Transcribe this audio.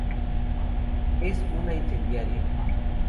Es una incendiaria.